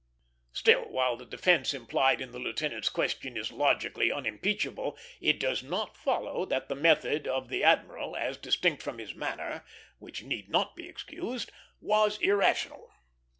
Still, while the defence implied in the lieutenant's question is logically unimpeachable, it does not follow that the method of the admiral as distinct from his manner, which need not be excused was irrational.